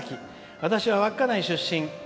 私は稚内出身。